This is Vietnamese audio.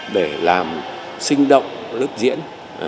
để làm sinh động lớp diễn